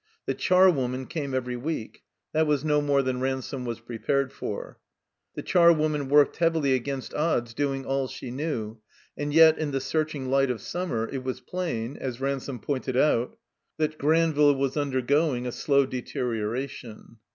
The charwoman came every week. (That was no more than Ransome was prepared for.) The charwoman worked heavily against odds, doing all she knew. And yet, in the searching light of summer, it was plain, as Ransome pointed out, that Granville was undergoing a slow deteriora tion.